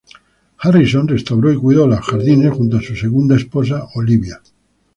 Harrison restauró y cuidó los jardines junto a su segunda esposa, Olivia.